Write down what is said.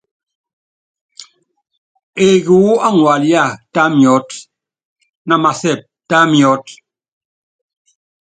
Eeki wú aŋualía, tá miɔ́t, na masɛp, ta miɔ́t.